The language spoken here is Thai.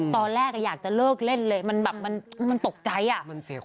ตอนแรกอยากจะเลิกเล่นเลยมันตกใจ